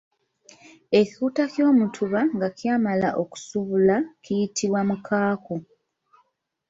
Ekikuta ky’omutuba nga kyamala okusubula kiyitibwa Mukaaku.